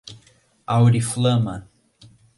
Auriflama